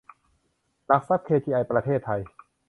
หลักทรัพย์ เคจีไอ ประเทศไทย